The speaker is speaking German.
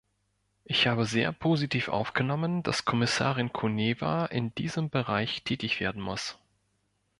Ich habe sehr positiv aufgenommen, dass Kommissarin Kuneva in diesem Bereich tätig werden muss.